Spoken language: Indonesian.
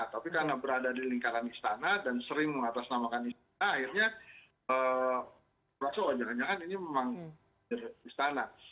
tapi karena berada di lingkaran istana dan sering mengatasnamakan istana akhirnya merasa oh jangan jangan ini memang istana